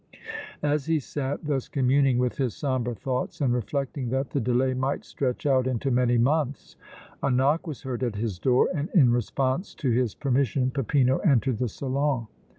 As he sat thus communing with his sombre thoughts and reflecting that the delay might stretch out into many months, a knock was heard at his door and in response to his permission Peppino entered the salon.